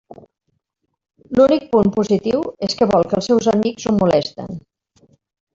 L'únic punt positiu és que vol que els seus amics ho molesten.